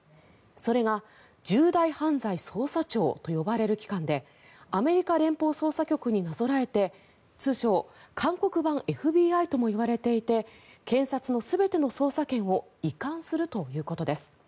それが重大犯罪捜査庁と呼ばれる機関でアメリカ連邦捜査局になぞらえて通称・韓国版ＦＢＩともいわれていて検察の全ての捜査権を移管するということです。